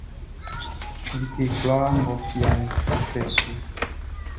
Like kloi nʼga fia fai su.